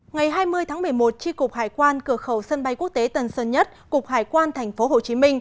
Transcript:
ngày hai mươi tháng một mươi một tri cục hải quan cửa khẩu sân bay quốc tế tân sơn nhất cục hải quan tp hcm